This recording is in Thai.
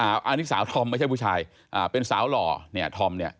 อันนี้สาวธอมไม่ใช่ผู้ชายอ่าเป็นสาวหล่อเนี่ยธอมเนี่ย